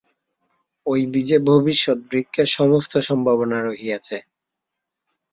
ঐ বীজে ভবিষ্যৎ বৃক্ষের সমস্ত সম্ভাবনা রহিয়াছে।